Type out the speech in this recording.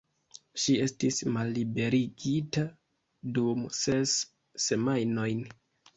Ŝi estis malliberigita dum ses semajnojn.